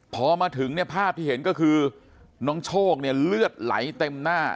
พอมาถึงเนี่ยภาพที่เห็นก็คือน้องโชคเนี่ยเลือดไหลเต็มหน้า